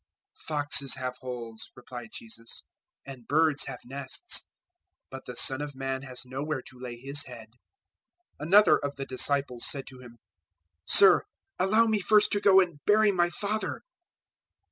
008:020 "Foxes have holes," replied Jesus, "and birds have nests; but the Son of Man has nowhere to lay His head." 008:021 Another of the disciples said to Him, "Sir, allow me first to go and bury my father."